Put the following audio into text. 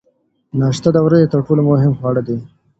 ناشته د ورځې تر ټولو مهم خواړه دي.